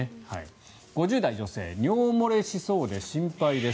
５０代女性尿漏れしそうで心配です。